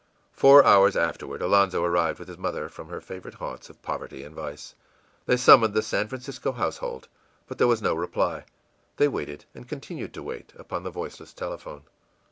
Four hours afterward Alonzo arrived with his mother from her favorite haunts of poverty and vice. They summoned the San Francisco household; but there was no reply. They waited, and continued to wait, upon the voiceless telephone.